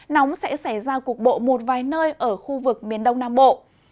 nóng sẽ xảy ra cục bộ một vài nơi ở khu vực miền đông nam bộ